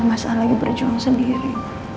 masa lagi berjuang sendiri